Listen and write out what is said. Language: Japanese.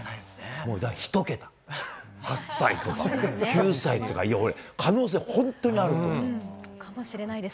１桁、８歳とか９歳とか、いやこれ、可能性、本当にあると思います。